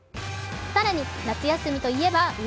更に、夏休みといえば海。